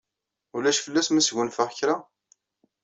Ulac fell-as ma sgunfaɣ kra?